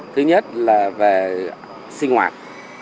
thứ nhất là về sinh hoạt